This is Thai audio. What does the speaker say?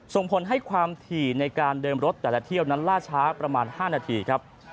ส่งผลให้ความถี่ในการเดินรถแต่ละเที่ยวนั้นล่าช้าประมาณ๕นาทีครับ